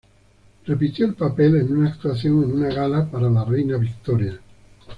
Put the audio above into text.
Repitió el papel en una actuación en una gala para la reina Victoria.